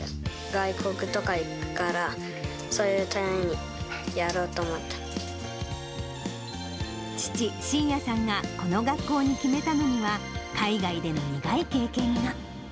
外国とか行くから、父、慎弥さんがこの学校に決めたのには、海外での苦い経験が。